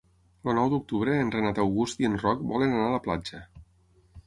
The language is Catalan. El nou d'octubre en Renat August i en Roc volen anar a la platja.